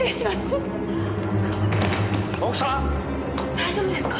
大丈夫ですか？